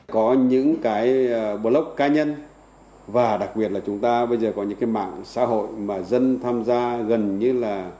có những cái block cá nhân và đặc biệt là chúng ta bây giờ có những cái mạng xã hội mà dân tham gia gần như là